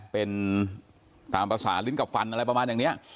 เป็นตามภาษาลิ้นกับฟันอะไรประมาณอย่างนี้